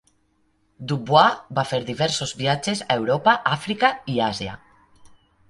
Du Bois va fer diversos viatges a Europa, Àfrica i Àsia.